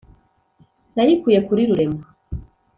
nayikuye kuri rurema,